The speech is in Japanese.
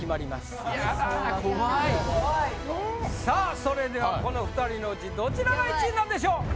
さあそれではこの２人のうちどちらが１位なんでしょう。